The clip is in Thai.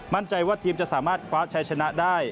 มั่นใจว่าทีมจะสามารถคว้าชัยชนะได้